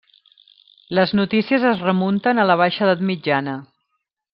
Les notícies es remunten a la baixa edat mitjana.